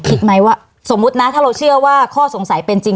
คิดไหมว่าสมมุตินะถ้าเราเชื่อว่าข้อสงสัยเป็นจริง